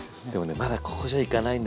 まだここじゃいかないんですよ。